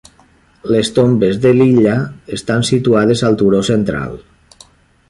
Les tombes de l'illa estan situades al turó central.